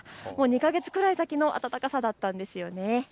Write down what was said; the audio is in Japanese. ２か月くらい先の暖かさだったんですね。